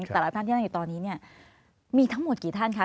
แต่ละท่านที่นั่งอยู่ตอนนี้เนี่ยมีทั้งหมดกี่ท่านคะ